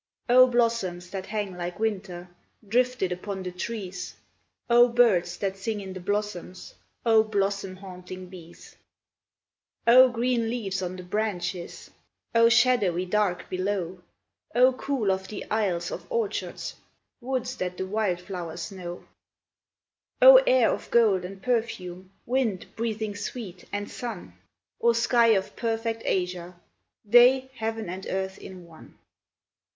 O blossoms that hang like winter, Drifted upon the trees, O birds that sing in the blossoms, O blossom haunting bees, O green leaves on the branches, O shadowy dark below, O cool of the aisles of orchards, Woods that the wild flowers know, O air of gold and perfume, Wind, breathing sweet, and sun, O sky of perfect azure Day, Heaven and Earth in one!